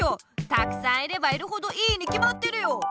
たくさんいればいるほどいいにきまってるよ。